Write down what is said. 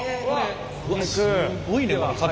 すごいね塊。